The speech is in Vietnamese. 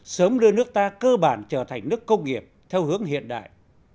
sớm đưa nước ta cơ bản trở thành nước công nghiệp theo hướng hiện đại